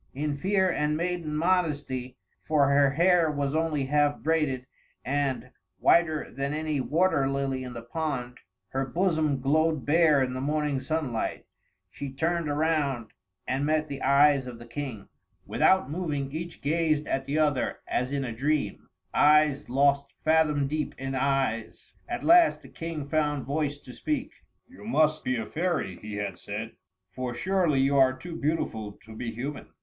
In fear and maiden modesty for her hair was only half braided, and, whiter than any water lily in the pond, her bosom glowed bare in the morning sunlight she turned around, and met the eyes of the King. Without moving, each gazed at the other as in a dream eyes lost fathom deep in eyes. At last the King found voice to speak. "You must be a fairy," he had said, "for surely you are too beautiful to be human!"